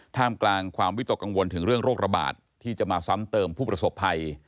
ท่ามกลางความวิตกกังวลถึงเรื่องโรคระบาดที่จะมาซ้ำเติมผู้ประสบภัย